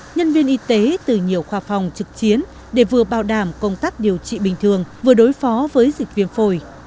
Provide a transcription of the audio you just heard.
nhân viên y tế từ nhiều khoa phòng trực chiến để vừa bảo đảm công tác điều trị bình thường vừa đối phó với dịch viêm phổi